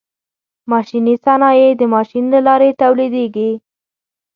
ماشیني صنایع د ماشین له لارې تولیدیږي.